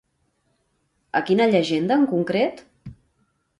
A quina llegenda, en concret?